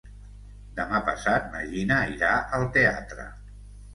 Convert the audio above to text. Demà passat na Gina irà al teatre.